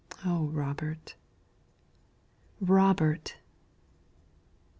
O Robert! Robert!